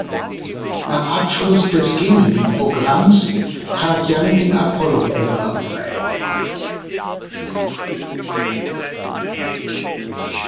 Nach Abschluss des Gemini-Programms trat Young dem Apollo-Programm bei.